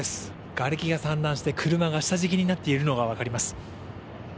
がれきが散乱して車が下敷きになっているのが分かります。